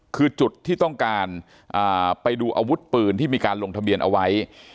คือจุดที่ต้องการไปดูอาวุธปืนที่มีการลงทะเบียนเอาไว้